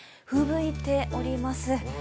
ふぶいております。